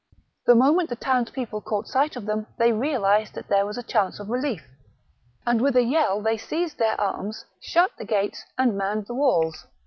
.The moment the townspeople caught sight of them, they realized that there was a chance of relief ; and with a yell they seized their arms, shut the gates,, and manned the walls.